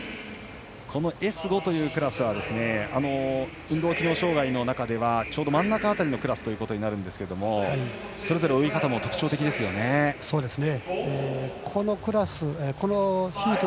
Ｓ５のクラスは運動機能障がいの中ではちょうど真ん中辺りのクラスですがそれぞれ泳ぎ方も特徴的ですね。